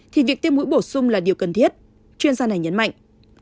thì việc tiêm mũi bổ sung là điều cần thiết chuyên gia này nhấn mạnh